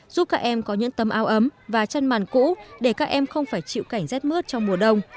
giúp các em có những tâm ao ấm và chân màn cũ để các em không phải chịu cảnh rét mướt trong mùa đông